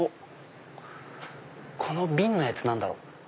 この瓶のやつ何だろう？